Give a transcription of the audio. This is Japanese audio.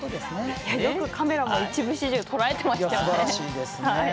よくカメラも一部始終をとらえてましたよね。